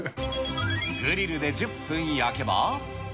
グリルで１０分焼けば。